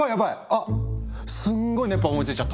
あっすんごい熱波思いついちゃった！